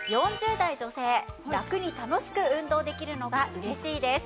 ４０代女性「ラクに楽しく運動できるのが嬉しいです」。